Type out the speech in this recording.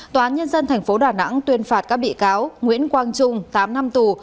tòa án nhân dân tp đà nẵng tuyên phạt các bị cáo nguyễn quang trung tám năm tù